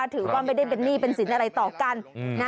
ถือว่าไม่ได้เป็นหนี้เป็นสินอะไรต่อกัน